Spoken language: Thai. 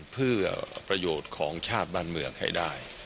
เพื่อประโยชน์ของชาติบ้านเมืองให้ได้